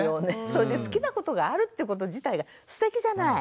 それで好きなことがあるってこと自体がすてきじゃない？